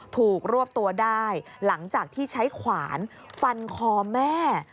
ถูกรวบตัวได้หลังจากที่ใช้ขวานฟันคอแม่